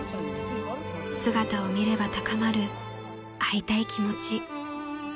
［姿を見れば高まる会いたい気持ち］